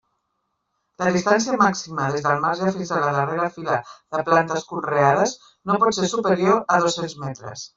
La distància màxima des del marge fins a la darrera fila de plantes conreades no pot ser superior a dos-cents metres.